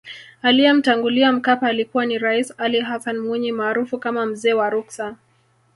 Aliyemtangulia Mkapa alikuwa ni Raisi Ali Hassan Mwinyi maarufu kama mzee wa ruksa